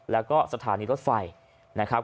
แล้วก็สถานีรถไฟนะครับ